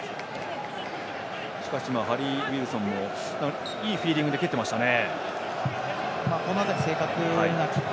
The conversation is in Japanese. しかし、ハリー・ウィルソンもいいフィーリングで蹴ってましたね。